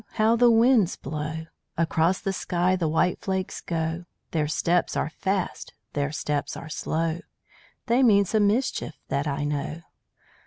How the winds blow. Across the sky the white flakes go. Their steps are fast their steps are slow They mean some mischief, that I know.